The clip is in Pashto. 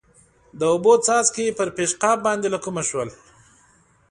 د اوبو څاڅکي پر پېشقاب باندې له کومه شول؟